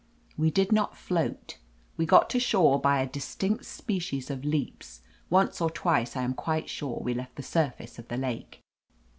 ' We did not float. We got to shore by a dis tinct species of leaps ; once or twice I am quite sure we left the surface of the lake.